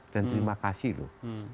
dan terima kasih loh